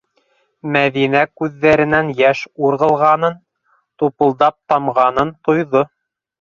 - Мәҙинә күҙҙәренән йәш урғылғанын, тупылдап тамғанын тойҙо.